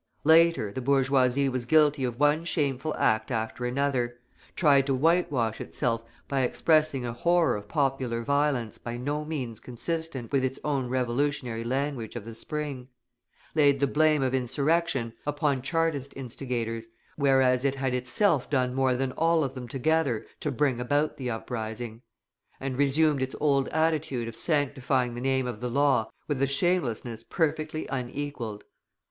Later, the bourgeoisie was guilty of one shameful act after another, tried to whitewash itself by expressing a horror of popular violence by no means consistent with its own revolutionary language of the spring; laid the blame of insurrection upon Chartist instigators, whereas it had itself done more than all of them together to bring about the uprising; and resumed its old attitude of sanctifying the name of the law with a shamelessness perfectly unequalled.